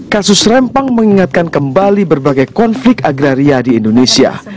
kasus rempang mengingatkan kembali berbagai konflik agraria di indonesia